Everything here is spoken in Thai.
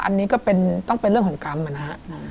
อันนี้ก็ต้องเป็นเรื่องของกรรมนะฮะ